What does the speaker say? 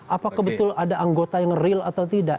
apa kebetulan ada anggota yang real atau tidak